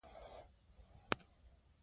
کافي خوب د کولمو فعالیت ښه کوي.